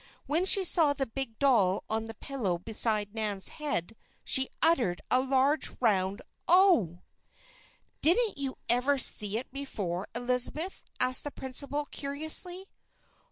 When she saw the big doll on the pillow beside Nan's head, she uttered a large, round "O!" "Didn't you ever see it before, Elizabeth?" asked the principal, curiously.